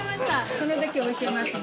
その時教えますね。